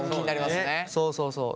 そうそうそう。